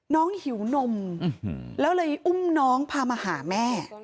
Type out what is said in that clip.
หิวนมแล้วเลยอุ้มน้องพามาหาแม่